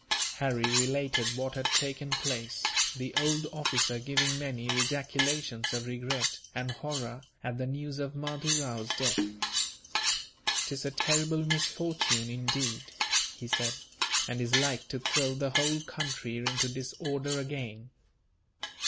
Harry related what had taken place, the old officer giving many ejaculations of regret, and horror, at the news of Mahdoo Rao's death. "'Tis a terrible misfortune, indeed," he said, "and is like to throw the whole country into disorder again."